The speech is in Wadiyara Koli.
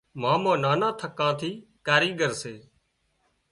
مامو نانان ٿڪان ٿي ڪاريڳر سي